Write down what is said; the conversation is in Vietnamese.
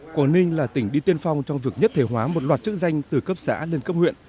quảng ninh là tỉnh đi tiên phong trong việc nhất thể hóa một loạt chức danh từ cấp xã lên cấp huyện